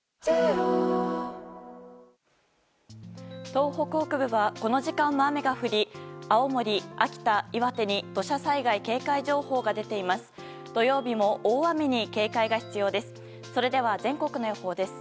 東北北部はこの時間も雨が降り青森、秋田、岩手に土砂災害警戒情報が出ています。